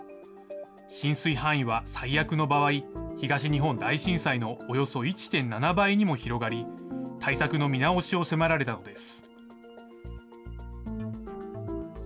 浸水範囲は最悪の場合、東日本大震災のおよそ１．７倍にも広がり、対策の見直しを迫られたのです。